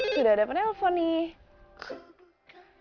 sudah ada penelpon nih